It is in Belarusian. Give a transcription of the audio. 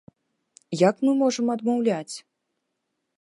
Як мы можам адмаўляць?